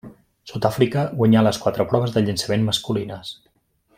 Sud-àfrica guanyà les quatre proves de llançaments masculines.